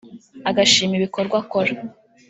agashima ibikorwa akora